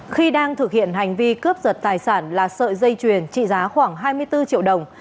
khi đang thực hiện hành vi cướp giật tài sản là sợi dây chuyền trị giá khoảng hai mươi bốn triệu đồng